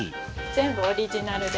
全部オリジナルで。